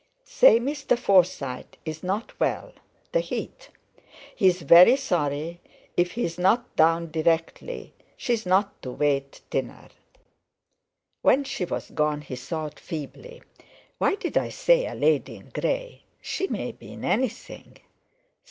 Say Mr. Forsyte is not well—the heat. He is very sorry; if he is not down directly, she is not to wait dinner." When she was gone, he thought feebly: "Why did I say a lady in grey—she may be in anything.